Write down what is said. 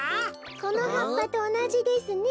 このはっぱとおなじですね。